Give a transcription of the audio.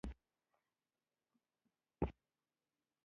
انترسایت تر ټولو سخت او ډېر انرژي لرونکی سکاره دي.